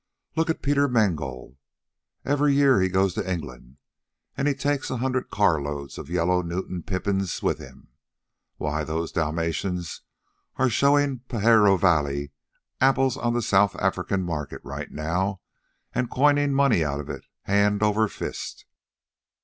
Look at Peter Mengol. Every year he goes to England, and he takes a hundred carloads of yellow Newton pippins with him. Why, those Dalmatians are showing Pajaro apples on the South African market right now, and coining money out of it hand over fist."